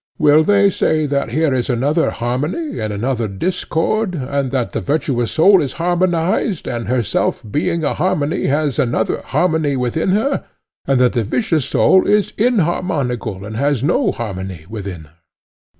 —will they say that here is another harmony, and another discord, and that the virtuous soul is harmonized, and herself being a harmony has another harmony within her, and that the vicious soul is inharmonical and has no harmony within her?